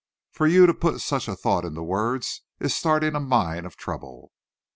For you to put such a thought into words, is starting a mine of trouble."